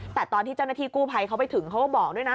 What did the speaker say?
แต่ตอนที่เจ้าหน้าที่กู้ภัยเขาไปถึงเขาก็บอกด้วยนะ